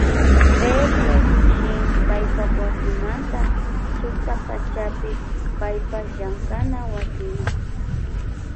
Pedró llukshin paypa wasimanta suktapachapi paypa llankana wasiman.